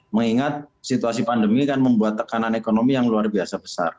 mengingat situasi pandemi kan membuat tekanan ekonomi yang luar biasa besar